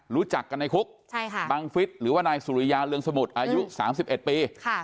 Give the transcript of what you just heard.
รู้จักกันในคุกใช่ค่ะบังฟิศหรือว่านายสุริยาเรืองสมุทรอายุสามสิบเอ็ดปีค่ะ